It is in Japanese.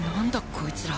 こいつら